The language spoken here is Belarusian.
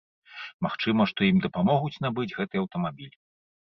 Магчыма, што ім дапамогуць набыць гэты аўтамабіль.